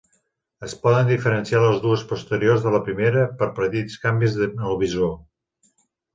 Es poden diferenciar les dues posteriors de la primera per petits canvis en el visor.